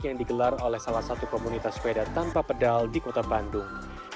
yang digelar oleh salah satu komunitas sepeda tanpa pedal di kota bandung